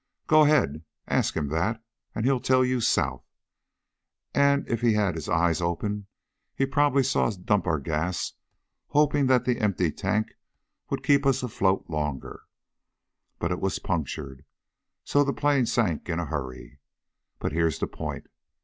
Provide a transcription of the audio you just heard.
_ Go ahead, ask him that, and he'll tell you south! And if he had his eyes open he probably saw us dump our gas hoping that the empty tank would keep us afloat longer. But it was punctured, so the plane sank in a hurry. But here's the point.